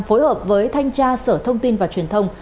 phối hợp với thanh tra sở thông tin và truyền thông